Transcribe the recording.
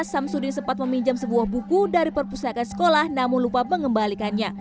samsudin sempat meminjam sebuah buku dari perpustakaan sekolah namun lupa mengembalikannya